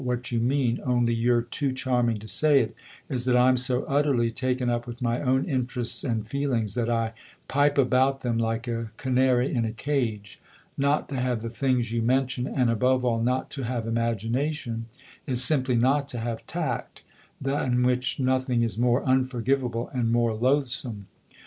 What you mean only you're too charming to say it is that I'm so utterly taken up with my own interests and feelings that I pipe about them like a canary in a cage. Not to have the things you mention, and above all not to have imagination, is simply not to have tact, than which nothing is more unforgivable and more loath some.